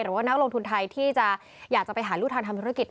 หรือว่านักลงทุนไทยที่จะอยากจะไปหาลูกฐานธรรมธุรกิจ